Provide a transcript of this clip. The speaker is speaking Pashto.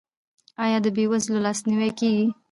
آیا د بې وزلو لاسنیوی کیږي؟